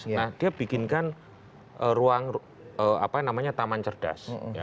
nah dia bikinkan ruang apa namanya taman cerdas